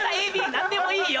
何でもいいよ